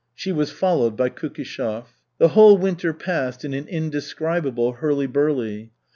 She was followed by Kukishev. The whole winter passed in an indescribable hurly burly.